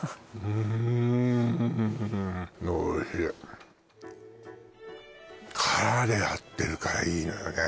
うん殻でやってるからいいのよね